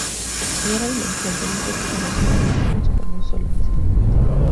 Generalmente dentro de un proceso nos encontramos con un solo procedimiento.